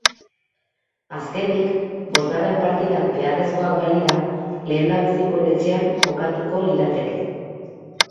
Azkenik, bosgarren partidak beharrezkoak balira, lehendabizikoen etxean jokatuko lirateke.